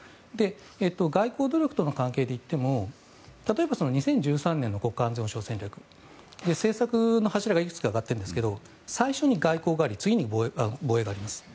外交努力との関係でいっても例えば、２０１３年の国家安全保障戦略政策の柱がいくつか挙がっていますが最初に外交があり次に防衛があります。